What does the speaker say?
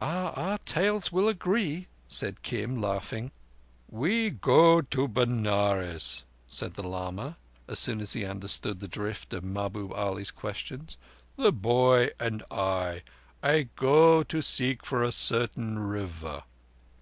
"Oh, our tales will agree," said Kim, laughing. "We go to Benares," said the lama, as soon as he understood the drift of Mahbub Ali's questions. "The boy and I, I go to seek for a certain River."